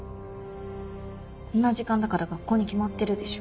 こんな時間だから学校に決まってるでしょ。